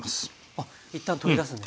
あっ一旦取り出すんですね。